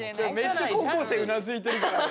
めっちゃ高校生うなずいてるからね。